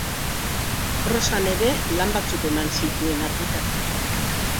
Prosan ere lan batzuk eman zituen argitara.